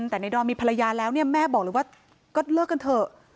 แต่ในดอมมีภรรยาแล้วเนี่ยแม่บอกเลยว่าก็เลิกกันเถอะ